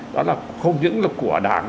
đó là không những là của đảng